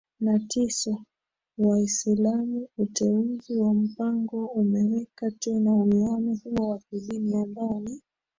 na tisa WaislamuUteuzi wa Mpango umeweka tena uwiano huo wa kidini ambao ni